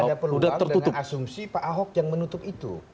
ada peluang dengan asumsi pak ahok yang menutup itu